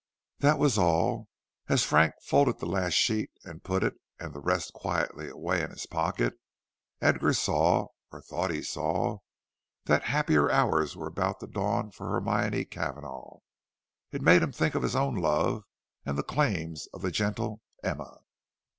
That was all. As Frank folded the last sheet and put it and the rest quietly away in his pocket, Edgar saw, or thought he saw, that happier hours were about to dawn for Hermione Cavanagh. It made him think of his own love and of the claims of the gentle Emma.